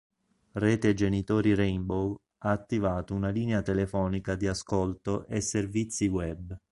Rete Genitori Rainbow ha attivato una Linea telefonica di ascolto e servizi web.